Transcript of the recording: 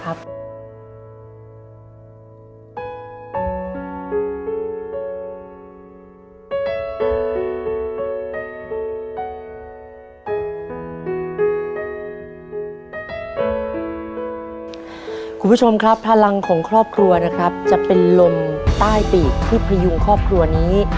มันเป็นต้องของครอบครัวนะครับจะเป็นลมใต้ปีกที่พริยุงครอบครัวนี้